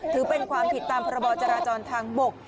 ถือเป็นความผิดตามพรบจราจรทางบก